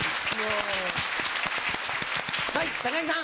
はい木さん。